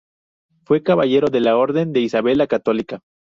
Fue caballero de la Orden de Isabel la Católica.